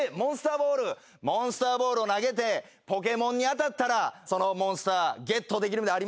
モンスターボールを投げてポケモンに当たったらそのモンスターゲットできるってありますから。